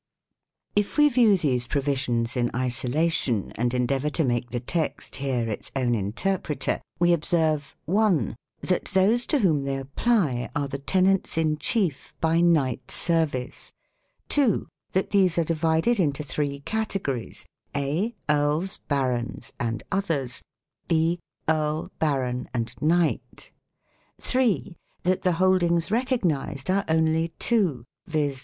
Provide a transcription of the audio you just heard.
If we view these provisions in isolation and en deavour to make the text here its own interpreter, we observe (i) that those to whom they apply are the tenants in chief by knight service; (2) that these are divided into three categories, (a) earls, barons, and " others "; (b) earl, baron, and knight ; (3) that the holdings recognized are only two, viz.